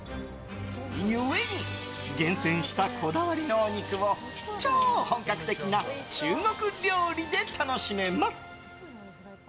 故に厳選したこだわりのお肉を超本格的な中国料理で楽しめます。